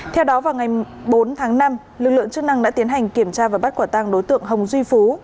theo đó vào ngày bốn tháng năm lực lượng chức năng đã tiến hành kiểm tra và bắt quả tăng đối tượng hồng duy phú